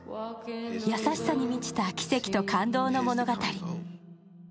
優しさに満ちた奇跡と感動の物語。